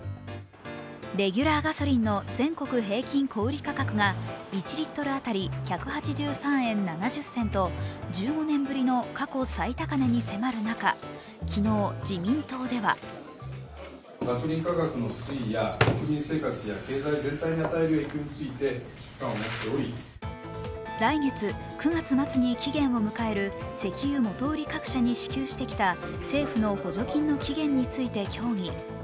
レギュラーガソリンの全国平均小売価格が１リットル当たり１８３円７０銭と１５年ぶりの過去最高値に迫る中、昨日、自民党では来月、９月末に期限を迎える石油元売り各社に支給してきた、政府の補助金の期限について協議。